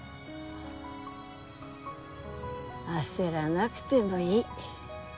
焦らなくてもいい。